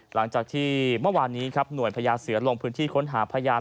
หลังจากที่เมื่อวานนี้ครับหน่วยพญาเสือลงพื้นที่ค้นหาพยาน